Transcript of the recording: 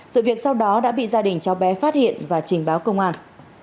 sự việc sau đó đã bị gia đình cháu bé phát hiện và trình báo công an